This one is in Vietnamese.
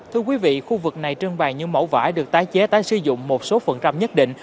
thưa quý vị khu vực này trưng bày những mẫu vải được tái chế tái sử dụng một số phần trăm nhất định